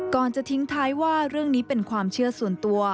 ก่อนจะทิ้งท้ายว่าเรื่องนี้เป็นความเชื่อส่วนตัว